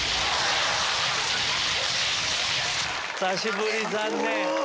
久しぶり残念！